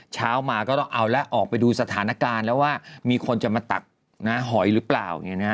เช้ามาก็ต้องเอาแล้วออกไปดูสถานการณ์แล้วว่ามีคนจะมาตักหอยหรือเปล่า